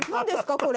これ。